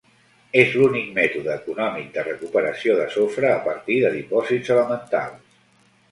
És l'únic mètode econòmic de recuperació de sofre a partir de dipòsits elementals.